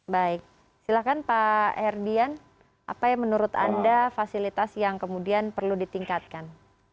baik silakan pak herdian apa yang menurut anda fasilitas yang kemudian perlu ditingkatkan